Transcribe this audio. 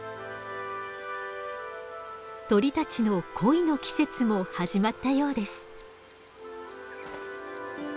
鳥たちの恋の季節も始まったようです。